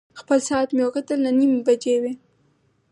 خپل ساعت مې وکتل، نهه نیمې بجې وې.